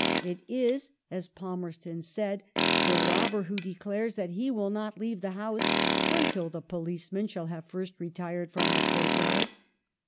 "It is," as Palmerston said, "the robber who declares that he will not leave the house until the policeman shall have first retired from the courtyard."